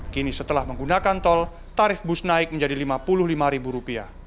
kini setelah menggunakan tol tarif bus naik menjadi rp lima puluh lima